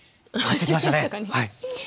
してきましたかねはい。